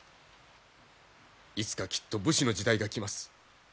いつかきっと武士の時代が来ます。